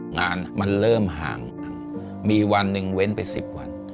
งานมันเริ่มห่างมีวันหนึ่งเว้นไป๑๐วัน